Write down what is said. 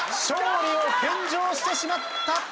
勝利を献上してしまった。